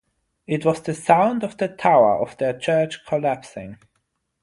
It was the sound of the tower of their church collapsing.